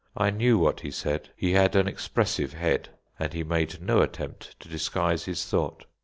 I knew what he said. He had an expressive head, and he made no attempt to disguise his thought.